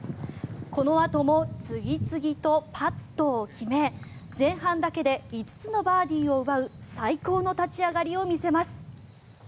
このあとも次々とパットを決め前半だけで５つのバーディーを奪う最高の立ち上がりを見せます。